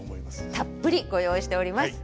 たっぷりご用意しております。